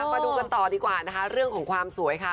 มาดูกันต่อดีกว่านะคะเรื่องของความสวยค่ะ